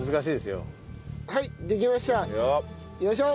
よいしょ！